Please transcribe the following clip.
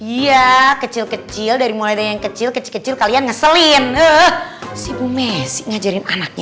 iya kecil kecil dari mulanya yang kecil kecil kecil kalian ngeselin eh si bu messi ngajarin anaknya